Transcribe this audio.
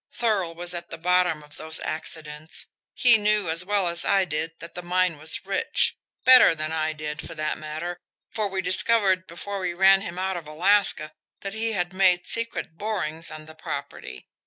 Thurl was at the bottom of those accidents. He knew as well as I did that the mine was rich better than I did, for that matter, for we discovered before we ran him out of Alaska that he had made secret borings on the property.